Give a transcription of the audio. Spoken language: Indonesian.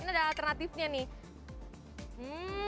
ini ada alternatifnya nih